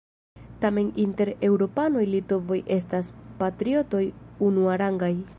Tamen inter eŭropanoj litovoj estas patriotoj unuarangaj.